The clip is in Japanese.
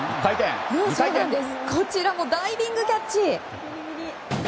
こちらもダイビングキャッチ！